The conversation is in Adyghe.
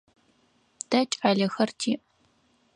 Тэ кӏалэхэр тиӏ.